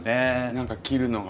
何か切るのが。